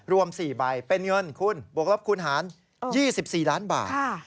รวม๔ใบเป็นเงินคุณบวกลบคูณหาร๒๔ล้านบาท